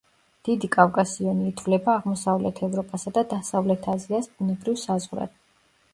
დიდი კავკასიონი ითვლება აღმოსავლეთ ევროპასა და დასავლეთ აზიას ბუნებრივ საზღვრად.